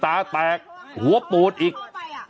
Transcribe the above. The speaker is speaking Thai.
ทางเข้าไปเพราะว่าถ้าเราเข้าไปอ่ะ